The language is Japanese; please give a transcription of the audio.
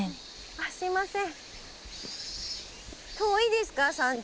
あっすいません。